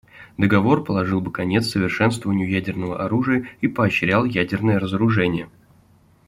Договор положил бы конец совершенствованию ядерного оружия и поощрял ядерное разоружение.